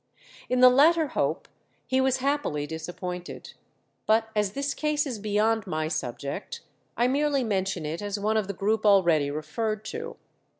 In the latter hope he was happily disappointed. But as this case is beyond my subject, I merely mention it as one of the group already referred to.